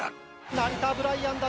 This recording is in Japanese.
「ナリタブライアンだ！